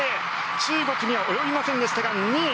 中国には及びませんでしたが２位。